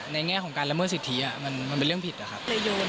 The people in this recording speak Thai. แง่ของการละเมิดสิทธิมันเป็นเรื่องผิดอะครับ